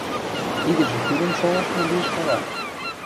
Тидӹжӹ кӱнӹм шолыштмы лиэш вара?